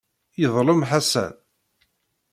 Yeḍlem Ḥasan.